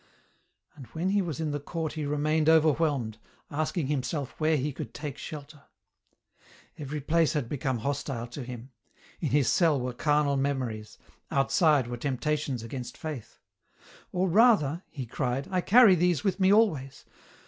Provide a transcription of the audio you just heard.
And when he was in the court he remained overwhelmed, asking himself where he could take shelter. Every place had become hostile to him : in his cell were carnal memories, outside were temptations against Faith, " or rather," he cried, " I carry these with me always.